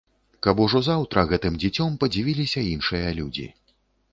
Каб ужо заўтра гэтым дзіцём падзівіліся іншыя людзі.